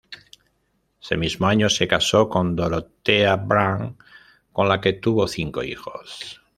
Ese mismo año, se casó con Dorothea Brandt, con la que tuvo cinco hijos.